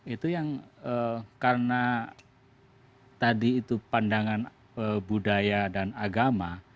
itu yang karena tadi itu pandangan budaya dan agama